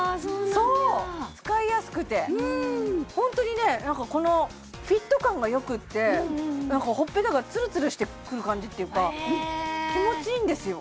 そう使いやすくてホントにねこのフィット感が良くってほっぺたがつるつるしてくる感じっていうか気持ちいいんですよ